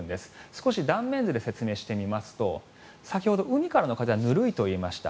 少し断面図で説明してみますと先ほど海からの風はぬるいと言いました。